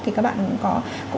thì các bạn cũng có